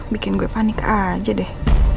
bikin gue panik aja deh